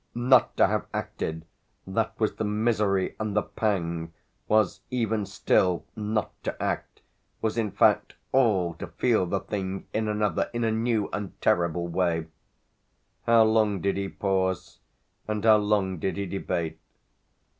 Not to have acted that was the misery and the pang was even still not to act; was in fact all to feel the thing in another, in a new and terrible way. How long did he pause and how long did he debate?